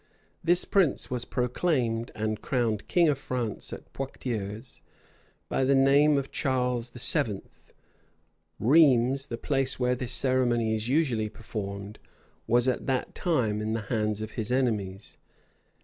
This prince was proclaimed and crowned king of France at Poictiers, by the name of Charles VII. Rheims, the place where this ceremony is usually performed, was at that time in the hands of his enemies.